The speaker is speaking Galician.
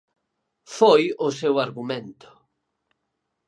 Foi o seu argumento.